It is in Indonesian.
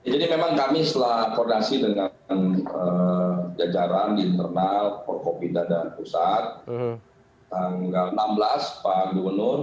jadi memang kami setelah koordinasi dengan jajaran internal pemprov binda dan pusat tanggal enam belas pak gubernur